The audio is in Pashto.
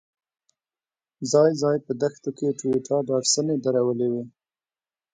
ځای ځای په دښتو کې ټویوټا ډاډسنې درولې وې.